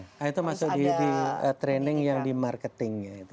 jadi itu bagian dari training yang di marketing nya